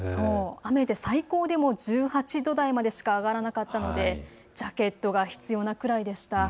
雨で最高でも１８度くらいまでしか上がらなかったのでジャケットが必要なくらいでした。